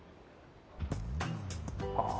ああ。